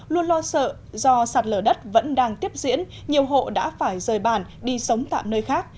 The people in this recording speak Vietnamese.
luôn lo sợ do sạt lở đất vẫn đang tiếp diễn nhiều hộ đã phải rời bàn đi sống tạm nơi khác